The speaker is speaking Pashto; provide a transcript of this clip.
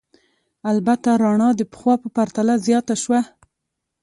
البته رڼا د پخوا په پرتله زیاته شوه.